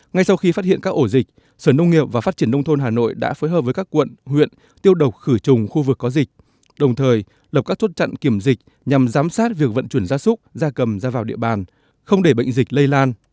ngay sau khi phát hiện các ổ dịch sở nông nghiệp và phát triển nông thôn hà nội đã phối hợp với các quận huyện tiêu độc khử trùng khu vực có dịch đồng thời lập các chốt chặn kiểm dịch nhằm giám sát việc vận chuyển gia súc gia cầm ra vào địa bàn không để bệnh dịch lây lan